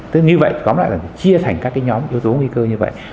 tức như vậy tóm lại là chia thành các cái nhóm yếu tố nguy cơ như vậy